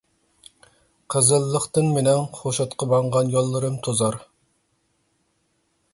قىزىللىقتىن مېنىڭ خوشۇتقا ماڭغان يوللىرىم توزار.